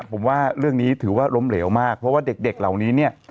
ผมว่าเรื่องนี้ถือว่าล้มเหลวมากเพราะว่าเด็กเหล่านี้เนี่ย